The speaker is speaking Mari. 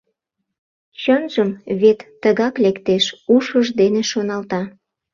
«Чынжым, вет тыгак лектеш», — ушыж дене шоналта.